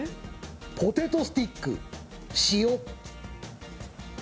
ポテトスティック塩。